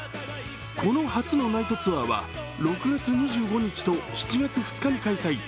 この初のナイトツアーは６月２５日と７月２日に開催。